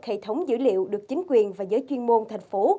hệ thống dữ liệu được chính quyền và giới chuyên môn thành phố